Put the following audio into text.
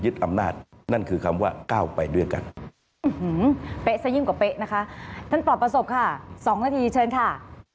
ท่านปรอบประสบค่ะ๒นาทีเชิญค่ะ